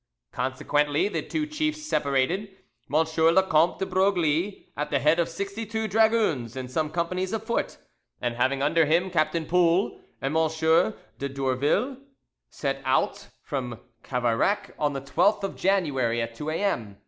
Consequently, the two chiefs separated. M. le Comte de Broglie at the head of sixty two dragoons and some companies of foot, and having under him Captain Poul and M. de Dourville, set out from Cavayrac on the 12th of January at 2 a. m.